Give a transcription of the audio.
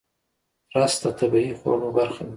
رس د طبیعي خواړو برخه ده